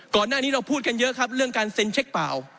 ก่อนหน้านี้เราพูดกันเยอะครับเรื่องการเซ็นเช็คเปล่า